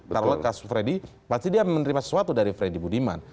kalau kasus freddy pasti dia menerima sesuatu dari freddy budiman